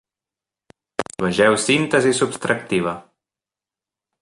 Vegeu síntesi subtractiva.